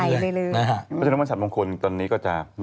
เพราะฉะนั้นวันสัตมงคลตอนนี้ก็จะ